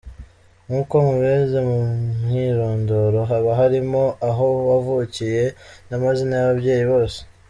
Nk’uko mubizi mu mwirondoro haba harimo aho wavukiye n’amazina y’ababyeyi bose.